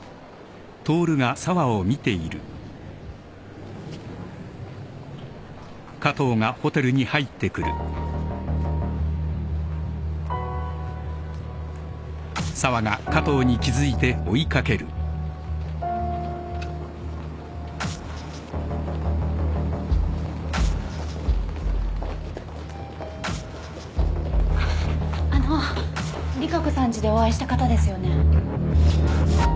利佳子さんちでお会いした方ですよね？